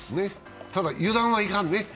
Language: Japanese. ただ、油断はいかんね。